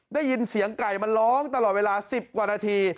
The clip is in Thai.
ได้ยินเสียงไก่มันร้องตลอดเวลา๑๐กว่านาที